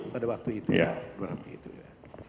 pada waktu itu ya berarti itu ya